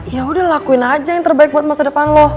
yaudah lakuin aja yang terbaik buat masa depan lo